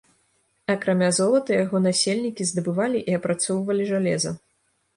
Акрамя золата яго насельнікі здабывалі і апрацоўвалі жалеза.